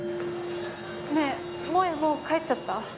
ねぇ萌もう帰っちゃった？